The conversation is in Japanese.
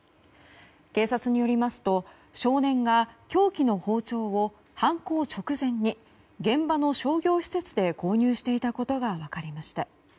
警察によりますと少年が凶器の包丁を犯行直前に現場の商業施設で購入していたことが分かりました。